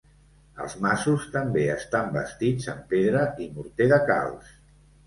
Els masos també estan bastits amb pedra i morter de calç.